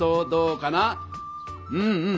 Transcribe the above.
うんうん。